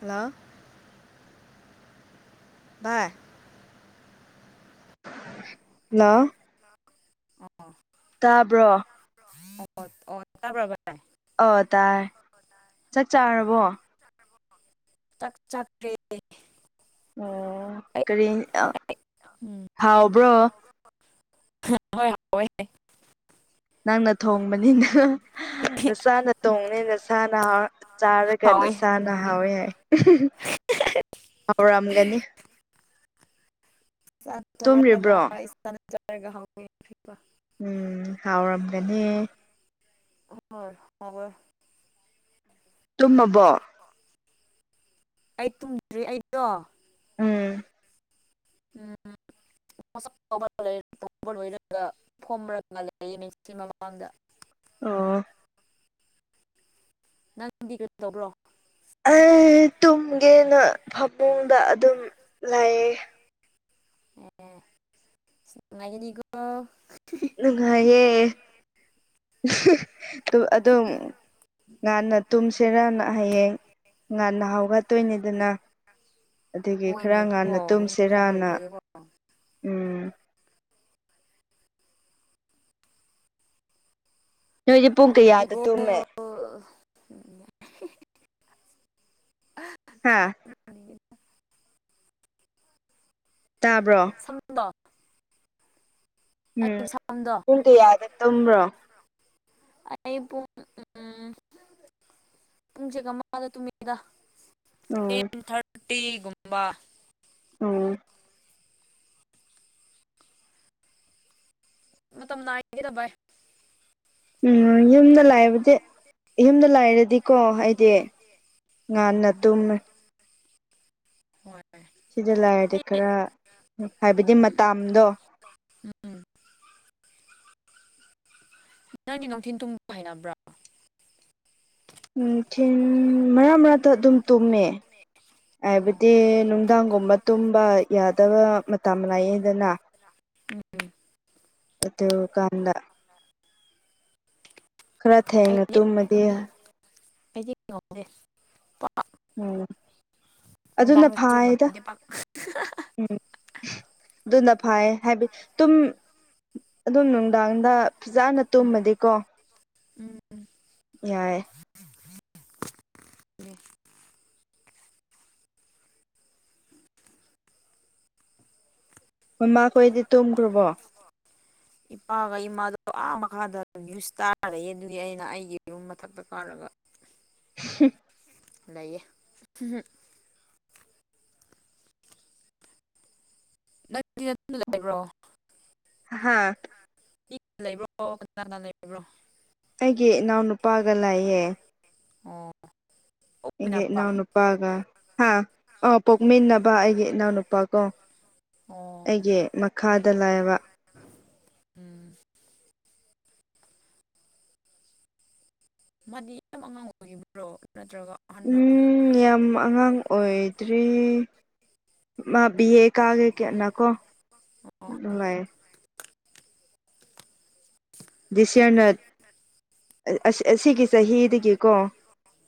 hello ꯚꯥꯏ hello ꯑꯣ ꯇꯥꯕ꯭ꯔꯣ ꯑꯣ ꯑꯣ ꯇꯕ꯭ꯔꯥ ꯚꯥꯏ ꯑ ꯇꯥꯏ ꯆꯥꯛ ꯆꯥꯔꯕꯣ ꯆꯥꯛ ꯆꯥꯛ꯭ꯔꯦ ꯑꯣ ꯀꯔꯤ ꯑꯥ ꯑꯩ ꯍꯥꯎꯕ꯭ꯔꯣ ꯍꯥꯎꯋꯦ ꯍꯥꯎꯋꯦ ꯅꯪꯅ ꯊꯣꯡꯕꯅꯤꯅ ꯅꯁꯥꯅ ꯊꯣꯡꯕꯅꯤ ꯅꯁꯥꯅ ꯆꯥꯔꯒ ꯍꯥꯎꯋꯦ ꯅꯁꯥꯅ ꯍꯥꯎꯋꯤ ꯍꯥꯏ ꯍꯥꯎꯔꯝꯒꯅꯤ ꯇꯨꯝꯔꯤꯕ꯭ꯔꯣ [unintelligible] ꯎꯝ ꯍꯥꯎꯔꯝꯒꯅꯤ [unintelligible] ꯍꯣꯏ ꯍꯥꯎꯋꯦ ꯇꯨꯝꯃꯕꯣ ꯑꯩ ꯇꯨꯝꯗ꯭ꯔꯤ ꯑꯩꯗꯣ ꯎꯝ ꯎꯝ [inaudible] ꯂꯣꯏꯔꯒ ꯐꯣꯔꯒ ꯂꯩꯁꯤ ꯃꯃꯥꯡꯗ [unintelligible] ꯑꯣ ꯅꯪꯗꯤ ꯀꯔꯤ ꯇꯧꯕ꯭ꯔꯣ ꯑꯩ ꯇꯨꯝꯒꯦꯅ ꯐꯃꯨꯡꯗ ꯑꯗꯨꯝ ꯂꯩꯑꯦ ꯑꯦ ꯅꯨꯡꯉꯥꯏꯒꯅꯤꯀꯣ ꯅꯨꯡꯉꯥꯏꯌꯦ ꯑꯗꯨꯝ ꯑꯗꯨꯝ ꯉꯥꯟꯅ ꯇꯨꯝꯁꯤꯔꯅ ꯍꯌꯦꯡ ꯉꯥꯟꯅ ꯍꯥꯎꯒꯠꯇꯨꯏꯅꯤꯗꯅ ꯑꯗꯨꯒꯤ ꯈꯔ ꯍꯣꯏꯅꯦꯀꯣ ꯉꯥꯟꯅ ꯍꯌꯦꯡ ꯐꯨꯠꯕꯣꯜ ꯇꯨꯝꯁꯤꯔꯥꯅ ꯂꯩꯌꯦꯀꯣ ꯎꯝ ꯅꯣꯏꯖꯧ ꯄꯨꯡ ꯑꯗꯨꯗꯤ ꯀꯌꯥꯗ ꯒꯣꯜ ꯇꯨꯝꯃꯦ [unintelligible] ꯍꯥꯥ ꯇꯥꯕ꯭ꯔꯣ [inaudible] ꯎꯝ ꯑꯩꯒꯤ ꯁꯝꯗꯣ ꯄꯨꯡ ꯀꯌꯥꯗ ꯇꯨꯝꯕ꯭ꯔꯣ ꯑꯩ ꯄꯨꯡ ꯎꯝ ꯄꯨꯡ ꯆꯒꯥꯃꯗ ꯇꯨꯃꯤꯗ ꯎꯝ ꯇꯦꯟ ꯊꯥꯔꯇꯤꯒꯨꯝꯕ ꯎꯝ ꯃꯇꯝ ꯅꯥꯏꯗꯦꯗ ꯚꯥꯏ ꯎꯝ ꯌꯨꯝꯗ ꯂꯥꯏꯕꯗꯤ ꯌꯨꯝꯗ ꯂꯩꯔꯗꯤꯀꯣ ꯑꯩꯗꯤ ꯉꯥꯟꯅ ꯇꯨꯝꯃꯦ ꯃꯥꯅꯦ ꯁꯤꯗ ꯂꯥꯏꯔꯗꯤ ꯈꯔ ꯍꯥꯏꯕꯗꯤ ꯃꯇꯥꯝꯗꯣ ꯎꯝ ꯅꯪꯗꯤ ꯅꯨꯡꯊꯤꯟ ꯇꯨꯝꯕ ꯍꯥꯏꯅꯕ꯭ꯔꯣ ꯅꯨꯡꯊꯤꯟ ꯃꯔꯛ ꯃꯔꯛꯇ ꯑꯗꯨꯝ ꯇꯨꯝꯃꯦ ꯎꯝ ꯍꯥꯏꯕꯗꯤ ꯅꯨꯡꯗꯥꯡꯒꯨꯝꯕ ꯇꯨꯝꯕ ꯌꯥꯗꯕ ꯃꯇꯝ ꯂꯩꯏꯌꯦꯗꯅ ꯎꯝ ꯑꯗꯨ ꯀꯥꯟꯗ ꯈꯔ ꯊꯦꯡꯅ ꯑꯩꯗꯤ ꯇꯨꯝꯃꯗꯤ ꯑꯩꯗꯤ ꯄꯨꯊꯣꯛꯇꯦ ꯎꯝ ꯑꯗꯨꯅ ꯅꯨꯡꯗꯥꯡꯗꯁꯨ ꯐꯥꯏꯗ ꯉꯝꯗꯦ ꯄꯥꯛ ꯎꯝ ꯑꯗꯨꯅ ꯐꯥꯑꯦ ꯍꯥꯏꯕꯗꯤ ꯇꯨꯝ ꯑꯗꯨꯝ ꯅꯨꯡ ꯅꯨꯡꯗꯥꯡꯗ ꯐꯖꯅ ꯇꯨꯝꯃꯗꯤꯀꯣ ꯎꯝ ꯌꯥꯏꯑꯦ [inaudible] ꯃꯃꯥꯈꯣꯏꯗꯤ ꯇꯨꯝꯈ꯭ꯔꯕꯣ ꯏꯄꯥꯒ ꯏꯃꯥꯗꯣ ꯑꯥ ꯃꯈꯥꯗ ꯅꯤꯌꯨꯁ ꯇꯥꯔꯤꯑꯦ ꯑꯗꯨꯒꯤ ꯑꯩꯅ ꯑꯩꯒꯤ ꯌꯨꯝ ꯃꯊꯛꯇ ꯀꯥꯔꯒ ꯍꯨ ꯂꯩꯌꯦ ꯍꯨ ꯍꯨ ꯅꯪꯇꯦ ꯑꯗꯨꯗ ꯂꯩꯕ꯭ꯔꯣ ꯍꯥꯥ ꯃꯤꯒ ꯂꯩꯕ꯭ꯔꯣ ꯀꯅꯥꯅꯥ ꯂꯩꯕ꯭ꯔꯣ ꯑꯩꯒꯤ ꯏꯅꯥꯎꯅꯨꯄꯥꯒ ꯂꯩꯌꯦ ꯑꯣ ꯑꯩꯒꯤ ꯑꯣꯛꯃꯤꯟꯅꯕ ꯏꯅꯥꯎꯅꯨꯄꯥꯒ ꯍꯥ ꯑꯣ ꯄꯣꯛꯃꯤꯟꯅꯕ ꯑꯩꯒꯤ ꯏꯅꯥꯎꯅꯨꯄꯥꯀꯣ ꯑꯣ ꯑꯩꯒꯤ ꯃꯈꯥꯗ ꯂꯥꯏꯕ ꯎꯝ ꯃꯥꯗꯤ ꯌꯥꯝ ꯑꯉꯥꯡ ꯑꯣꯏꯔꯤꯕ꯭ꯔꯣ ꯅꯠꯇ꯭ꯔꯒ ꯑꯍꯟꯔꯣ ꯎꯝ ꯌꯥꯝ ꯑꯉꯥꯡ ꯑꯣꯏꯗ꯭ꯔꯤ ꯃꯥ ꯕꯤ ꯑꯦ ꯀꯔꯤ ꯈꯦꯠꯅꯀꯣ ꯑꯣ ꯑꯣ ꯂꯩꯑꯦ ꯗꯤꯁ ꯏꯌꯥꯔ ꯅꯠ ꯑꯁꯤ ꯑꯁꯤꯒꯤ ꯆꯍꯤꯗꯒꯤꯀꯣ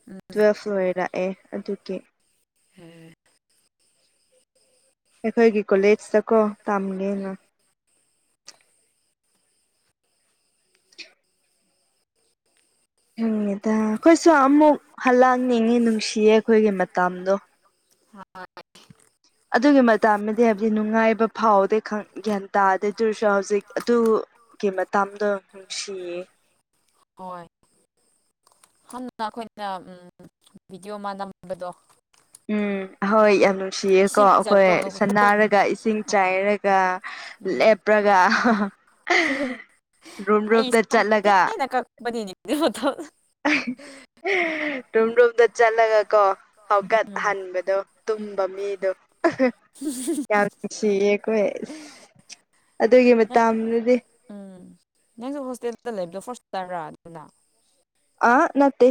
ꯎꯝ ꯎꯝ ꯇꯨꯋꯦꯜꯐ ꯂꯣꯏꯔꯛꯑꯦ ꯑꯗꯨꯒꯤ [inaudible] ꯑꯈꯣꯏꯒꯤ ꯀꯣꯂꯦꯖꯇꯀꯣ ꯎꯝ ꯇꯝꯒꯦꯅ ꯈꯪꯗꯦꯗ ꯑꯈꯣꯏꯁꯨ ꯑꯩꯈꯣꯏꯁꯨ ꯑꯃꯨꯛ ꯍꯜꯂꯛꯅꯤꯡꯉꯤ ꯍꯜꯂꯛꯑꯝꯃꯦ ꯅꯨꯡꯁꯤꯌꯦ ꯑꯈꯣꯏꯒꯤ ꯃꯇꯝꯗꯣ ꯍꯣꯏ [inaudible] ꯑꯗꯨꯒꯤ ꯃꯇꯝꯗꯗꯤ ꯍꯥꯏꯕꯗꯤ ꯅꯨꯡꯉꯥꯏꯕ ꯐꯥꯎꯗꯦ ꯈꯪ ꯒ꯭ꯌꯥꯟ ꯇꯥꯗꯦ ꯗꯨꯑꯣꯏꯔꯁꯨ ꯍꯧꯖꯤꯛ ꯑꯗꯨ ꯒꯤ ꯃꯇꯝꯗꯣ ꯅꯨꯡꯁꯤꯌꯦ ꯍꯣꯏ ꯍꯥꯟꯅ ꯑꯈꯣꯏꯅ ꯑꯝ ꯚꯤꯗꯤꯑꯣ ꯑꯃ ꯅꯝꯕꯗꯣ ꯎꯝ ꯍꯣꯏ ꯌꯥꯝ ꯅꯨꯡꯁꯤꯌꯦꯀꯣ ꯏꯁꯤꯡ ꯑꯩꯈꯣꯏ ꯆꯥꯏꯕ ꯃꯅꯨꯡꯗ ꯍꯣꯜ ꯁꯥꯅꯔꯒ ꯏꯁꯤꯡ ꯆꯥꯏꯔꯒ ꯂꯦꯞꯔꯒ ꯑꯍꯥꯍꯥ ꯍꯦꯍꯦ ꯑꯩ ꯁꯝ ꯇꯦꯟꯅ ꯀꯛꯄꯅꯤꯅꯦ ꯗꯨ ꯃꯇꯝꯗꯣ [unintelligible] ꯇꯨꯝꯔꯝ ꯆꯠꯂꯒ ꯀꯣ ꯎꯝ ꯍꯧꯒꯠꯍꯟꯕꯗꯣ ꯇꯨꯝꯕ ꯃꯤꯗꯣ ꯌꯥꯝ ꯅꯨꯡꯁꯤꯌꯦ ꯑꯈꯣꯏ ꯑꯁ ꯅꯪ ꯑꯗꯨꯒꯤ ꯃꯇꯝꯗꯨꯗꯤ ꯎꯝ ꯅꯪꯁꯨ ꯍꯣꯁꯇꯦꯜꯗ ꯂꯩꯕꯗꯣ ꯐꯥꯔ꯭ꯁ [unintelligible] ꯔꯥ ꯑꯗꯨꯅ ꯑꯍꯥ ꯅꯠꯇꯦ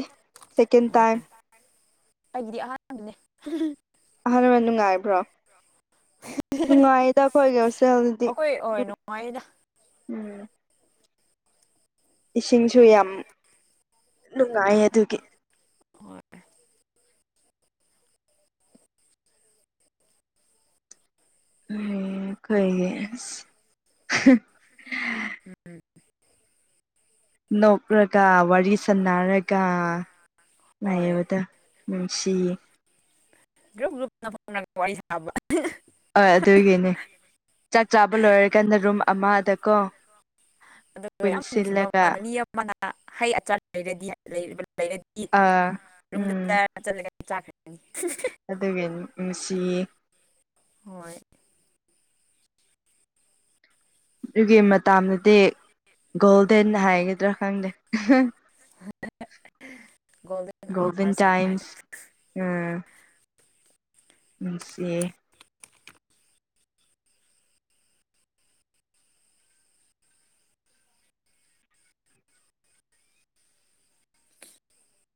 ꯁꯦꯀꯦꯟ ꯇꯥꯏꯝ ꯑꯦ ꯑꯩꯒꯤꯗꯤ ꯑꯍꯥꯟꯕꯅꯦ ꯍꯦ ꯍꯦ ꯑꯍꯥꯟꯕ ꯅꯨꯡꯉꯥꯏꯕ꯭ꯔꯣ ꯅꯨꯡꯉꯥꯏꯗ ꯑꯈꯣꯏꯒꯤ ꯍꯣꯁꯇꯦꯜꯗꯨꯗꯤ ꯑꯩꯈꯣꯏ ꯍꯣꯏ ꯑꯗꯨꯝ ꯅꯨꯡꯉꯥꯏꯗ ꯎꯝ ꯏꯁꯤꯡꯁꯨ ꯌꯥꯝ ꯅꯨꯡꯉꯥꯏꯌꯦ ꯑꯗꯨꯒꯤ ꯍꯣꯏ ꯎꯝ ꯀꯩꯒꯤ ꯍ ꯅꯣꯛꯔꯛ ꯀ ꯋꯥꯔꯤ ꯁꯥꯟꯅꯔꯒ ꯍꯣꯏ ꯅꯩꯕꯗꯨ ꯅꯨꯡꯁꯤꯌꯦ ꯒ꯭ꯔꯨꯞ ꯒ꯭ꯔꯨꯞ ꯋꯥꯔꯤ ꯁꯥꯕ [unintelligible] ꯍꯣꯏ ꯑꯗꯨꯒꯤꯅꯤ ꯆꯥꯛ ꯆꯥꯕ ꯂꯣꯏꯔꯀꯥꯟꯗ ꯔꯨꯝ ꯑꯃꯗꯀꯣ ꯄꯨꯟꯁꯤꯜꯂꯒ ꯑꯥ ꯍꯩ ꯑꯆꯥꯔ ꯂꯩꯔꯗꯤ ꯂꯩꯔꯗꯤ ꯑꯥ ꯔꯨꯝꯗ ꯎꯝ ꯆꯥꯔ ꯆꯠꯂꯒ ꯆꯥꯈꯔꯅꯤ [unintelligible] ꯑꯗꯨꯒꯤ ꯅꯨꯡꯁꯤꯌꯦ ꯍꯣꯏ ꯑꯗꯨꯒꯤ ꯃꯇꯥꯝꯗꯨꯗꯤ ꯒꯣꯜꯗꯦꯟ ꯍꯥꯏꯒꯗ꯭ꯔꯥ ꯈꯪꯗꯦ ꯒꯣꯜꯗꯟ ꯑꯥꯋꯥꯔꯁ ꯀꯥꯏꯅ ꯇꯥꯏꯝꯁ ꯎꯝ ꯅꯨꯡꯁꯤꯌꯦ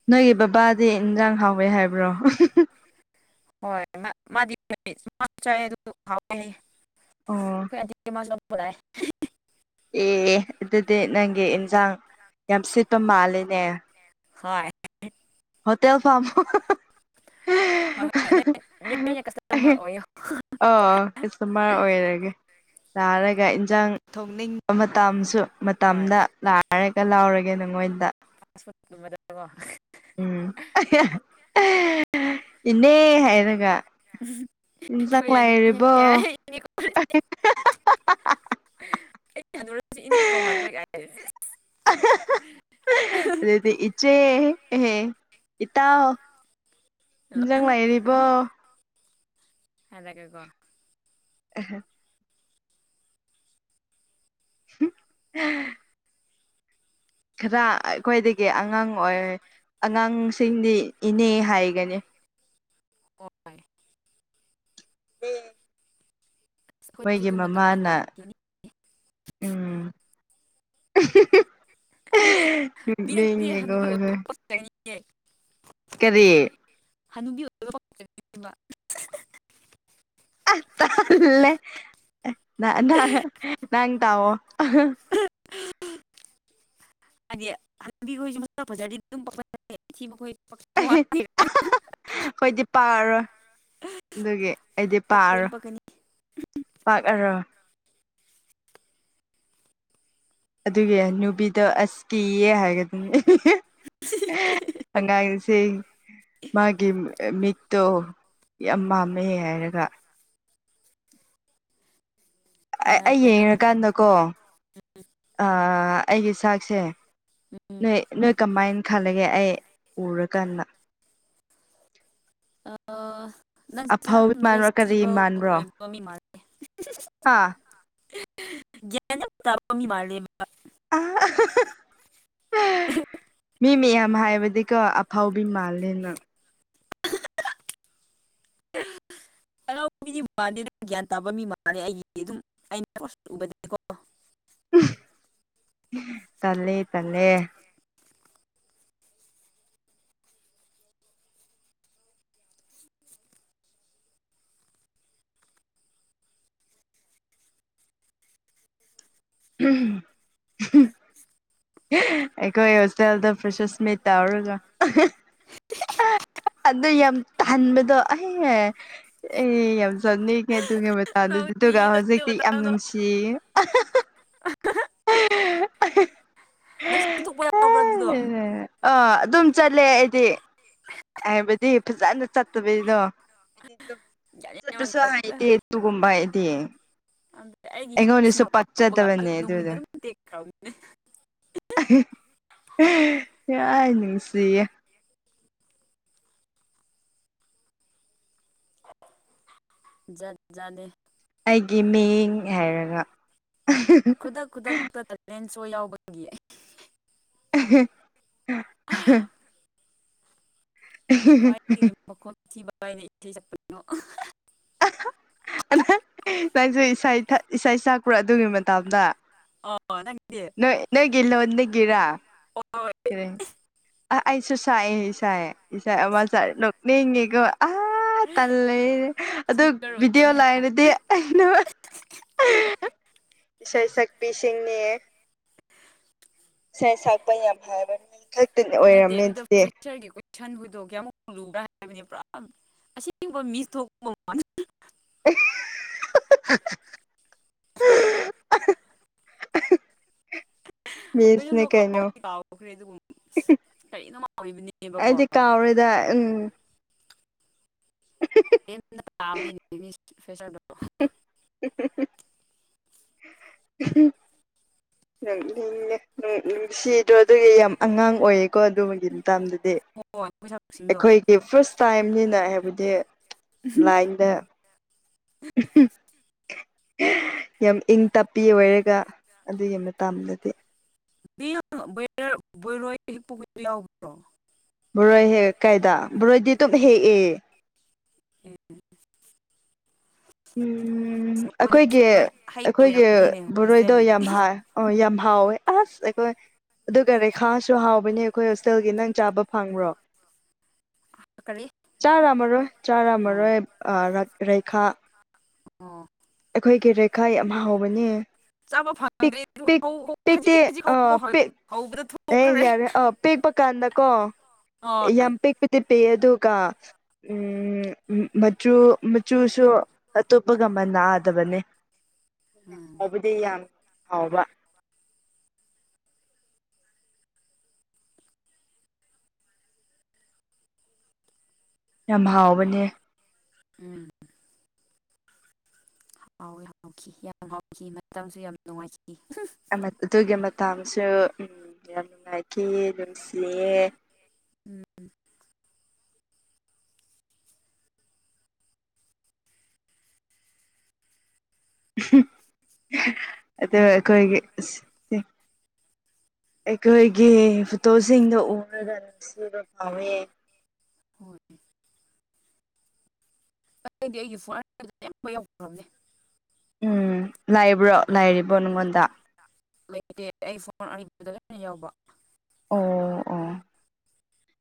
ꯅꯣꯏꯒꯤ ꯕꯕꯥꯗꯤ ꯏꯟꯖꯥꯡ ꯍꯥꯎꯋꯦ ꯍꯥꯏꯕ꯭ꯔꯣ ꯍꯣꯏ ꯃꯥꯗꯤ [unintelligible] ꯍꯥꯎꯇꯦ ꯍꯥꯏꯌꯦ ꯑꯣ [unintelligible] ꯂꯥꯛꯑꯦ ꯑꯦ ꯑꯗꯨꯗꯤ ꯅꯪꯒꯤ ꯏꯟꯖꯥꯡ ꯌꯥꯝ ꯁꯤꯠꯄ ꯃꯥꯜꯂꯤꯅꯦ ꯍꯣꯏ ꯍꯣꯇꯦꯜ ꯐꯝꯃꯣ ꯍꯣ ꯍꯥ ꯍꯥ ꯍꯣꯏꯅꯦ [unintelligible] ꯀꯁꯇꯃꯔ ꯑꯣꯏꯌꯣ ꯑꯥ ꯀꯁꯇꯃꯔ ꯑꯣꯏꯔꯒꯦ ꯂꯥꯛꯔꯒ ꯏꯟꯖꯥꯡ ꯊꯣꯛꯅꯤꯡꯕ ꯃꯇꯝꯁꯨ ꯍꯣꯏ ꯃꯇꯝꯗ ꯂꯥꯛꯔꯒ ꯂꯧꯎꯔꯒꯦ ꯅꯪꯉꯣꯟꯗ [unintelligible] ꯎꯝ [unintelligible] ꯏꯅꯦ ꯍꯥꯏꯔꯒ ꯏꯟꯖꯥꯡ ꯈꯣꯏ ꯑꯅꯤꯅꯦ ꯂꯩꯔꯤꯕꯣ [unintelligible] ꯍꯥ ꯍꯥ ꯍꯥ ꯏꯅꯤ ꯀꯧꯍꯜꯂꯣꯏ ꯀꯥꯏ ꯍꯥ ꯍꯥ [unintelligible] ꯑꯗꯨꯗꯤ ꯏꯆꯦ ꯑꯦꯍꯦ ꯏꯇꯥꯎ ꯏꯟꯖꯪ ꯂꯩꯔꯤꯕꯣ [unintelligible] ꯑꯍꯦ ꯍꯨꯝ ꯈꯔ ꯑꯩꯈꯣꯏꯗꯒꯤ ꯑꯉꯥꯡ ꯑꯣꯏ ꯑꯉꯥꯡꯁꯤꯡꯗꯤ ꯏꯅꯦ ꯍꯥꯏꯒꯅꯤ [inaudible] ꯍꯣꯏ ꯗꯦ ꯑꯁ ꯑꯩꯈꯣꯏꯖꯨ ꯃꯇꯝꯗꯣ ꯂꯥꯛꯈꯤꯅꯤ [unintelligible] ꯑꯍꯤ ꯍꯤ ꯍꯤ ꯅꯣꯑꯅꯤꯡꯉꯤꯀꯣ ꯑꯩꯈꯣꯏ ꯌꯦꯛ ꯀꯔꯤ ꯍꯅꯨꯕꯤ ꯑꯣꯏꯕ ꯄꯛꯇꯣꯏꯅꯦꯕ [unintelligible] ꯑꯥ ꯇꯜꯂꯦ ꯅ ꯅ ꯅꯪ ꯇꯥꯎꯋꯣ ꯑ ꯍ ꯍꯥꯏꯗꯤ ꯍꯅꯨꯕꯤ ꯈꯣꯏꯖꯨ ꯃꯁꯛ ꯐꯖꯔꯗꯤ ꯑꯗꯨꯝ ꯐꯖꯩ ꯊꯤꯕ ꯈꯣꯏ ꯑꯍꯤ ꯑꯍ ꯍ ꯈꯣꯏꯗꯤ ꯄꯥ ꯔꯣꯏ ꯑꯗꯨꯒꯤ ꯑꯩꯗꯤ ꯄꯛꯀꯅꯤ ꯄꯥꯔꯣꯏ ꯄꯛꯀꯅꯤ ꯄꯛꯑꯔꯣ ꯑꯗꯨꯒꯤ ꯍꯅꯨꯕꯤꯗꯣ ꯑꯁ ꯀꯤꯌꯦ ꯍꯥꯏꯒꯗꯨꯅꯤ [unintelligible] [unintelligible] ꯑꯉꯥꯡꯁꯦ ꯃꯥꯒꯤ ꯃꯤꯠꯇꯣ ꯌꯥꯝ ꯃꯥꯝꯃꯦ ꯍꯥꯏꯔꯒ ꯑ ꯑꯩ ꯅꯥꯟꯅ ꯈꯔ ꯌꯦꯡꯔꯀꯥꯟꯗꯀꯣ ꯑꯥ ꯑꯩꯒꯤ ꯁꯥꯛꯁꯦ ꯎꯝ ꯅꯣꯏ ꯅꯣꯏ ꯀꯃꯥꯏ ꯈꯜꯂꯒꯦ ꯑꯩ ꯎꯔꯀꯥꯟꯗ ꯑꯥ ꯅꯪꯁꯦ ꯌꯥꯝ ꯑꯐꯥꯎ ꯃꯥꯟꯕ꯭ꯔꯣ ꯀꯔꯤ ꯅꯣꯂꯦꯖꯤꯕꯜ ꯃꯥꯟꯕ꯭ꯔꯣ ꯑꯣꯏꯕ ꯃꯤ ꯃꯥꯜꯂꯦ ꯍꯥ [unintelligible] ꯒ꯭ꯌꯥꯟ ꯌꯥꯝ ꯇꯥꯕ ꯃꯤ ꯃꯥꯜꯂꯦꯕ [unintelligible] ꯃꯤ [unintelligible] ꯃꯌꯥꯝ ꯍꯥꯏꯕꯗꯤꯀꯣ ꯑꯐꯥꯎꯕꯤ ꯃꯥꯜꯂꯦ ꯅꯪ [inaudible] ꯍꯔꯥꯎꯕ ꯃꯤꯗꯤ ꯃꯥꯟꯗꯦꯅꯪ ꯒ꯭ꯌꯥꯟ ꯇꯥꯕ ꯃꯤ ꯃꯥꯜꯂꯦ ꯑꯩꯒꯤꯗꯤ ꯑꯗꯨꯝ ꯑꯩꯅ ꯎꯕꯗꯗꯤꯀꯣ ꯎꯝ ꯇꯜꯂꯦ ꯇꯜꯂꯦ [unintelligible] ꯑꯩꯈꯣꯏ ꯍꯣꯁꯇꯦꯜꯗ ꯐ꯭ꯔꯦꯁꯔꯁ ꯃꯤꯠ ꯇꯧꯔꯒ [unintelligible] ꯑꯗꯣ ꯌꯥꯝ ꯇꯥꯟꯕꯗꯣ ꯑꯩ ꯑꯩ ꯌꯥꯝ ꯆꯠꯅꯤꯡꯉꯦ ꯑꯗꯨꯒꯤ ꯃꯇꯥꯡꯗꯨ ꯗꯨꯒ ꯅꯣꯛꯅꯤꯡꯉꯤꯗ ꯑꯗꯨ ꯍꯧꯖꯤꯛꯇꯤ ꯌꯥꯝ ꯃꯇꯝꯗꯣ ꯅꯨꯡꯁꯤꯌꯦ ꯑꯍ ꯍ [unintelligible] ꯅꯪꯁꯨ ꯇꯨꯊꯣꯛꯄ ꯌꯥꯎꯕ꯭ꯔꯥ ꯑꯗꯨꯗꯣ ꯑꯥ ꯑꯗꯨꯝ ꯆꯠꯂꯦ ꯑꯩꯗꯤ ꯍꯥꯏꯕꯗꯤ ꯐꯖꯟꯅ ꯆꯠꯇꯕꯤꯗꯣ ꯒ꯭ꯌꯥꯟ ꯃꯦꯟ ꯑꯃ ꯆꯠꯄꯁꯨ ꯇꯥꯗꯦꯗ ꯍꯥꯏꯇꯦ ꯇꯨꯝꯕ ꯍꯩꯇꯦ ꯑꯝꯇ ꯑꯩꯒꯤ ꯑꯩꯉꯣꯟꯗꯁꯨ ꯍꯤꯕꯁꯅꯣ ꯐꯪꯕꯒ ꯄꯥꯛꯆꯗꯕꯅꯦ ꯅꯨꯃꯤꯠꯗꯨꯝ ꯇꯦꯛꯈ꯭ꯔꯝꯅꯦ [unintelligible] ꯌꯥ ꯅꯨꯡꯁꯤꯌꯦ ꯖꯥꯠ ꯖꯥꯠꯅꯦ ꯑꯩꯒꯤ ꯃꯤꯡ ꯍꯩꯔꯒ ꯈꯨꯗꯛ ꯈꯨꯗꯛꯇ ꯗ ꯄꯦꯟꯁ ꯁꯣ ꯌꯥꯎꯕꯒꯤ ꯑꯩ [unintelligible] ꯀꯥꯏꯌꯨꯝ ꯃꯈꯣꯟ ꯊꯤ ꯐꯥꯏꯔꯤ ꯏꯁꯩ ꯁꯛꯄꯅꯣ [unintelligible] [unintelligible] ꯅꯪꯁꯨ ꯏꯁꯩ ꯊꯠ ꯏꯁꯩ ꯁꯛꯄ꯭ꯔꯥ ꯑꯗꯨꯒꯤ ꯃꯇꯝꯗ ꯑꯣ ꯅꯪꯗꯤ ꯅꯣꯢ ꯅꯣꯏꯒꯤ ꯂꯣꯟꯗꯒꯤꯔꯥ ꯍꯣꯏ ꯀꯔꯤ ꯑ ꯑꯩꯁꯨ ꯁꯥꯏꯌꯦ ꯏꯁꯥꯏ ꯏꯁꯥꯏ ꯑꯃ ꯁꯥꯏ ꯅꯣꯛꯅꯤꯡꯉꯤꯀꯣ ꯑꯥ ꯇꯜꯂꯦ ꯑꯗꯨ ꯁꯤꯡꯒꯔ ꯚꯤꯗꯤꯑꯣ ꯑꯣꯏꯔꯝꯃꯤ ꯍꯥ ꯂꯩꯔꯗꯤ ꯑꯩꯅ [unintelligible] ꯏꯁꯩꯩ ꯁꯛꯄꯤꯁꯤꯡꯅꯦ ꯁꯩ ꯁꯛꯄ ꯌꯥꯝ ꯍꯩꯏꯕ ꯃꯤ ꯈꯛꯇꯅ ꯑꯣꯏꯔꯝꯃꯦ ꯑꯗꯨꯗꯤ ꯁꯟ ꯍꯣꯏꯗꯣ ꯀꯌꯥꯃꯨꯛ ꯂꯨꯕ꯭ꯔꯥ ꯍꯥꯏꯕꯅꯤ ꯄꯨꯔꯥ ꯑꯁꯦꯡꯕ ꯃꯤꯁ ꯊꯣꯛꯄꯨ ꯃꯥꯟ [unintelligible] [unintelligible] ꯃꯤꯁꯅꯦ ꯐꯣꯢꯂꯝꯗꯣ ꯀꯩꯅꯣ ꯀꯥꯎꯗꯤ ꯀꯥꯎꯈ꯭ꯔꯦ ꯗꯨ ꯑꯩꯗꯤ ꯀꯥꯎꯔꯦꯗ ꯎꯝ ꯐꯦꯁꯔ ꯗꯣ [unintelligible] [unintelligible] ꯅꯨꯡꯁꯤ ꯑꯗꯣ ꯑꯗꯨꯒꯤ ꯌꯥꯝ ꯑꯉꯥꯡ ꯑꯣꯏꯌꯦꯀꯣ ꯑꯗꯨꯒꯤ ꯃꯇꯝꯗꯨꯗꯤ ꯍꯣꯏ ꯃꯣꯏꯁꯛꯁꯤꯡꯗꯣ ꯑꯩꯈꯣꯏꯒꯤ ꯐꯥꯔꯁ ꯇꯥꯏꯝꯅꯤꯅ ꯍꯥꯏꯕꯗꯤ ꯂꯥꯏꯟꯗ ꯑꯝꯍꯥ ꯌꯥꯝ ꯏꯪ ꯇꯞꯄꯤ ꯑꯣꯏꯔꯒ ꯑꯗꯨꯒꯤ ꯃꯇꯥꯝꯗꯨꯗꯤ [unintelligible] ꯌꯥꯎꯕ꯭ꯔꯣ ꯕꯣꯔꯣꯏ ꯍꯦꯛ ꯀꯥꯏꯗ ꯕꯣꯔꯣꯏꯗꯤ ꯑꯗꯨꯝ ꯍꯦꯛꯑꯦ ꯎꯝ ꯃꯗꯨꯁꯨ ꯑꯩꯈꯣꯏꯒꯤ ꯈꯔ ꯍꯩ ꯑꯩꯈꯣꯏꯒꯤ ꯑꯣꯏꯔꯝꯕꯅꯤꯅꯦ ꯕꯣꯔꯣꯏꯗꯣ ꯍꯣꯁꯇꯦꯜꯒꯤ ꯌꯥꯝ ꯍꯥꯎꯑꯦ ꯑꯣ ꯌꯥꯝ ꯍꯥꯎꯋꯦ ꯑꯁ ꯑꯩꯈꯣꯏ ꯑꯗꯨꯒ ꯔꯦꯈꯥꯁꯨ ꯍꯥꯎꯕꯅꯦ ꯑꯩꯈꯣꯏ ꯍꯣꯁꯇꯦꯜꯒꯤ ꯅꯪ ꯆꯥꯕ ꯐꯪꯕ꯭ꯔꯣ ꯀꯔꯤ ꯆꯥꯔꯝꯃꯔꯣꯏ ꯑꯣ ꯆꯥꯔꯝꯃꯔꯣꯏ ꯑ ꯔ ꯔꯦꯈꯥ ꯑꯣ ꯑꯩꯒꯤ ꯂꯩꯈꯥꯏ ꯌꯥꯝ ꯍꯥꯎꯕꯅꯦ ꯆꯥꯕ ꯐꯪꯒꯗꯤ [unintelligible] ꯄꯤꯛꯇꯦ ꯑꯥ ꯄꯦꯛ ꯑꯦ ꯊꯣꯛꯈ꯭ꯔꯦ ꯌꯥꯔꯦ ꯑꯥ ꯄꯦꯛꯄ ꯀꯥꯟꯗꯀꯣ ꯍꯣꯏ ꯌꯥꯝ ꯄꯤꯛꯄꯗꯤ ꯄꯤꯛꯑꯦ ꯑꯗꯨꯒ ꯎꯝ ꯎꯝ ꯃꯆꯨ ꯃꯆꯨꯁꯨ ꯑꯇꯣꯞꯄꯒ ꯃꯟꯅꯗꯕꯅꯦ ꯎꯝ ꯍꯥꯎꯕꯗꯤ ꯌꯥꯝ ꯍꯥꯎꯕ ꯌꯥꯝ ꯍꯥꯎꯕꯅꯦ ꯎꯝ ꯍꯥꯎꯑꯦ ꯍꯥꯎꯈꯤ ꯌꯥꯝ ꯍꯥꯎꯈꯤ ꯃꯇꯝꯁꯨ ꯌꯥꯝ ꯅꯨꯡꯉꯥꯏꯈꯤ ꯑꯗꯨꯒꯤ ꯃꯇꯥꯝꯁꯨ ꯌꯥꯝ ꯅꯨꯡꯉꯥꯏꯈꯤ ꯅꯨꯡꯁꯤꯌꯦ ꯎꯝ ꯑꯍꯝ ꯑꯍꯥ ꯑꯗꯣ ꯑꯩꯈꯣꯏꯒꯤ ꯑꯩꯈꯣꯏꯒꯤ ꯐꯣꯇꯣꯁꯤꯡꯗꯣ ꯎꯔꯒ ꯅꯨꯡꯁꯤꯕ ꯐꯥꯎꯋꯦ ꯍꯣꯏ ꯑꯗꯨꯒꯤ ꯑꯩꯒꯤ ꯐꯣꯟ [unintelligible] ꯑꯈꯣꯢ ꯌꯥꯝ ꯉꯝꯃꯦ ꯎꯝ ꯂꯩꯕ꯭ꯔꯣ ꯂꯩꯔꯤꯕꯣ ꯅꯪꯉꯣꯟꯗ ꯂꯩꯇꯦ ꯑꯩ ꯐꯣꯟ ꯑꯔꯤꯕꯗ ꯂꯣꯏꯅ ꯌꯥꯎꯕ ꯑꯣ ꯑꯣ